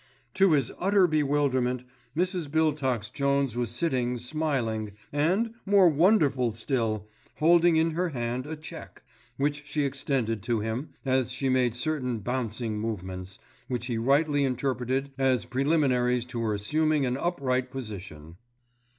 To his utter bewilderment, Mrs. Biltox Jones was sitting smiling, and, more wonderful still, holding in her hand a cheque, which she extended to him, as she made certain bouncing movements, which he rightly interpreted as preliminaries to her assuming an upright position.